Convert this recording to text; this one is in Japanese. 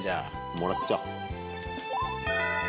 もらっちゃおう。